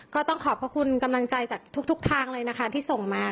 ก็ต้องขอบพระคุณกำลังใจจากทุกทางเลยนะคะที่ส่งมา